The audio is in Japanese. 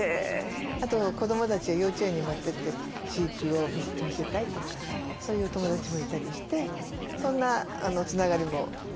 あと子どもたちが幼稚園に持ってって飼育を見せたいとかそういうお友達もいたりしてそんなつながりも増えたりしますよね。